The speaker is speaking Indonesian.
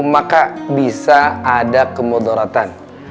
maka bisa ada kemodoratan